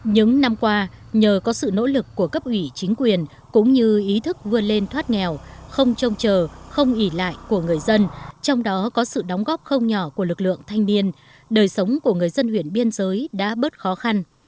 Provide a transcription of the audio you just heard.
những năm qua nhờ có sự nỗ lực của cấp ủy chính quyền cũng như ý thức vươn lên thoát nghèo không trông chờ không ỉ lại của người dân trong đó có sự đóng góp không nhỏ của lực lượng thanh niên đời sống của người dân huyện biên giới đã bớt khó khăn